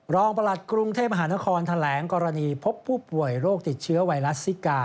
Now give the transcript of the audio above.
ประหลัดกรุงเทพมหานครแถลงกรณีพบผู้ป่วยโรคติดเชื้อไวรัสซิกา